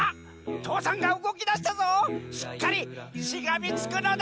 父山がうごきだしたぞしっかりしがみつくのだ！